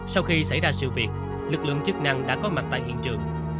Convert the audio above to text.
sau khi xảy ra sự việc lực lượng chức năng đã có mặt tại hiện trường